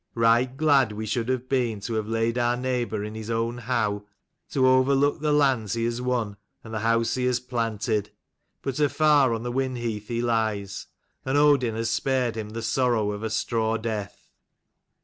Right glad we should have been to have laid our neighbour in his own howe, to overlook the lands he has won and the house he has planted ; but afar on the Winheath he lies, and Odin has spared him the sorrow of a straw death.